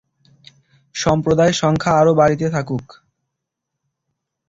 সম্প্রদায়ের সংখ্যা আরও বাড়িতে থাকুক।